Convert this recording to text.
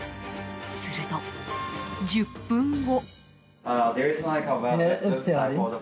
すると、１０分後。